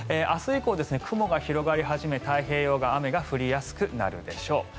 明日以降、雲が広がり始め太平洋側は雨が降りやすくなるでしょう。